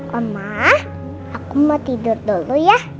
lemah aku mau tidur dulu ya